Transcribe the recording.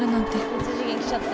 別次元に来ちゃった。